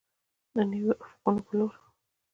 د نویو افقونو په لور.